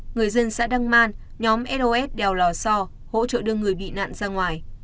người dân xã đắc man nhóm los đèo lò so hỗ trợ đưa người bị nạn ra ngoài